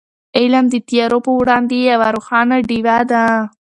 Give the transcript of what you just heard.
علم د تیارو په وړاندې یوه روښانه ډېوه ده.